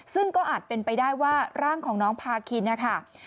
ซึ่งก็อาจเป็นไปได้ว่าร่างของน้องพาคินนะคะ